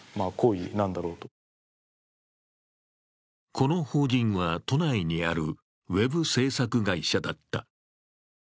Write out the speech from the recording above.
この法人は、都内にあるウェブ制作会社だった。